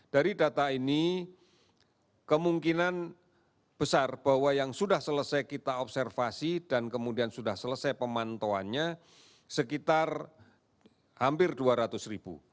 dari data ini kemungkinan besar bahwa yang sudah selesai kita observasi dan kemudian sudah selesai pemantauannya sekitar hampir dua ratus ribu